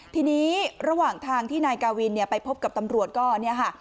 ทีนี้ระหว่างทางที่นายกาวินไปพบกับตำรวจก็เนี่ยค่ะ